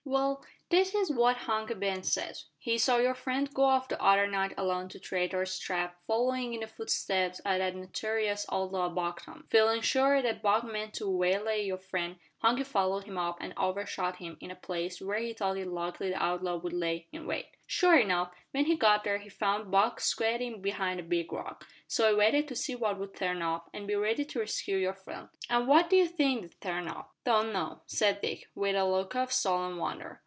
"Well, this is what Hunky Ben says. He saw your friend go off the other night alone to Traitor's Trap, following in the footsteps o' that notorious outlaw Buck Tom. Feelin' sure that Buck meant to waylay your friend, Hunky followed him up and overshot him to a place where he thought it likely the outlaw would lay in wait. Sure enough, when he got there he found Buck squattin' behind a big rock. So he waited to see what would turn up and be ready to rescue your friend. An' what d'ye think did turn up?" "Don' know," said Dick, with a look of solemn wonder.